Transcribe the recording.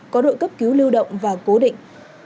có đội cấp cứu lưu động và cố định